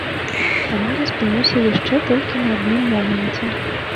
Таму я спынюся яшчэ толькі на адным моманце.